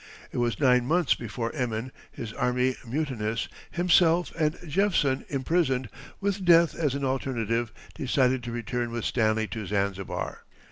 It was nine months before Emin, his army mutinous, himself and Jephson imprisoned, with death as an alternative, decided to return with Stanley to Zanzibar.